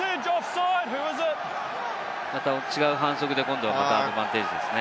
違う反則で、またアドバンテージですね。